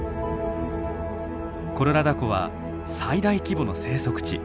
コロラダ湖は最大規模の生息地。